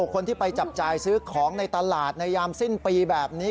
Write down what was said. คนที่ไปจับจ่ายซื้อของในตลาดในยามสิ้นปีแบบนี้